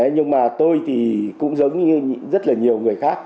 nhưng mà tôi thì cũng giống như rất là nhiều người khác